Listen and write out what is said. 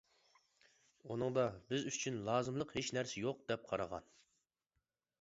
ئۇنىڭدا بىز ئۈچۈن لازىملىق ھېچ نەرسە يوق دەپ قارىغان.